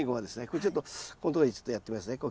これちょっとここのとこにちょっとやってみますね。